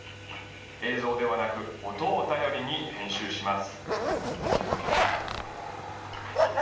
映像ではなく、音を頼りに編集します。